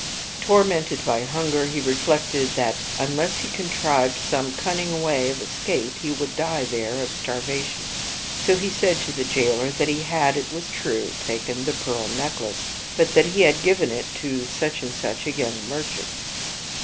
Tormented by hunger, he reflected that, unless he con trived some cunning way of escape he would die there of starvation. So he said to the jailer that he had, it was true, taken the pearl necklace, but that he had given it to such and such a young merchant.